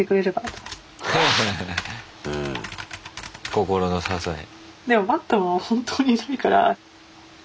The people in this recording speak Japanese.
心の支え。